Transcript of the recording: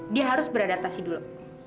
dia harus beradaptasi dulu